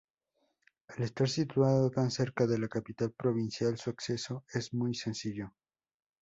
Al estar situado tan cerca de la capital provincial, su acceso es muy sencillo.